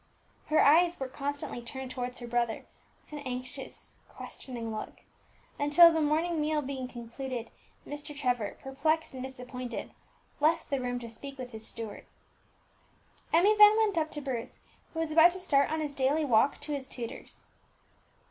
Her eyes were constantly turned towards her brother with an anxious, questioning look, until, the morning meal being concluded, Mr. Trevor, perplexed and disappointed, left the room to speak to his steward. Emmie then went up to Bruce, who was about to start on his daily walk to his tutor's.